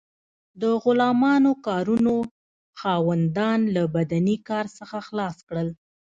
د غلامانو کارونو خاوندان له بدني کار څخه خلاص کړل.